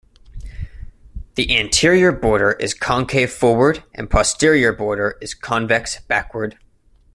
The anterior border is concave forward and posterior border is convex backward.